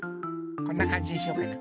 こんなかんじにしようかな？